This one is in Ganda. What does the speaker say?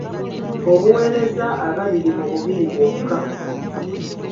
Obuweereza abiri mu bubiri bwokka.